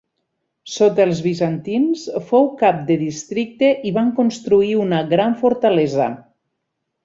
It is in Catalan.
Sota els bizantins fou cap de districte i van construir una gran fortalesa.